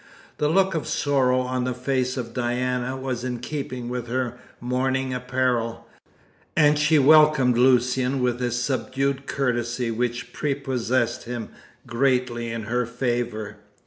The look of sorrow on the face of Diana was in keeping with her mourning apparel, and she welcomed Lucian with a subdued courtesy which prepossessed him greatly in her favour.